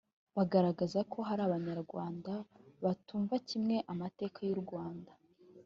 bagaragaza ko hari abanyarwanda batumva kimwe amateka y u rwanda